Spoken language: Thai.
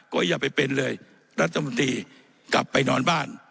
ก็อย่าไปเป็นเลยรัฐมนตรีกลับไปนอนบ้าน